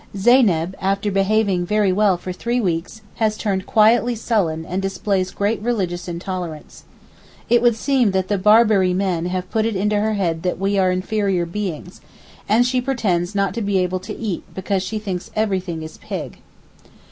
Zeyneb, after behaving very well for three weeks, has turned quietly sullen and displays great religious intolerance. It would seem that the Berberi men have put it into her head that we are inferior beings, and she pretends not to be able to eat because she thinks everything is pig.